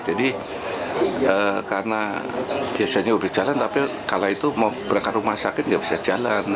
jadi karena biasanya udah jalan tapi kalau itu mau berangkat rumah sakit gak bisa jalan